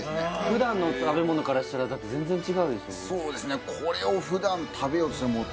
普段の食べ物からしたら全然違うでしょう？